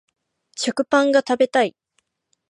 食パンが食べたい